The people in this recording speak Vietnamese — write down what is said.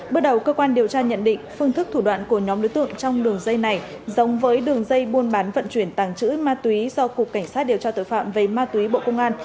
bước đầu cơ quan điều tra nhận định phương thức thủ đoạn của nhóm đối tượng trong đường dây này giống với đường dây buôn bán vận chuyển tàng trữ ma túy do cục cảnh sát điều tra tội phạm về ma túy bộ công an